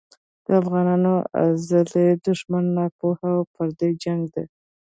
د افغانانو ازلي دښمن ناپوهي او پردی جنګ دی.